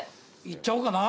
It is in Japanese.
いっちゃおうかな。